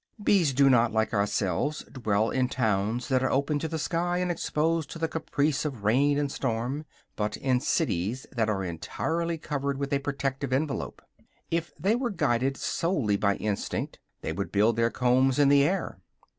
Bees do not, like ourselves, dwell in towns that are open to the sky and exposed to the caprice of rain and storm, but in cities that are entirely covered with a protecting envelope. If they were guided solely by their instinct, they would build their combs in the air.